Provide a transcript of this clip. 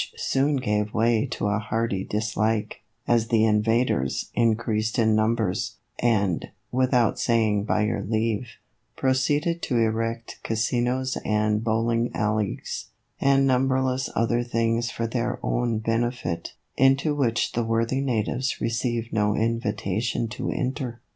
soon gave place to a hearty dislike, as the invaders increased in numbers, and, without saying by your leave, proceeded to erect casinos and bowling alleys and numberless other things for their own benefit, into which the worthy natives received no invitation to enter.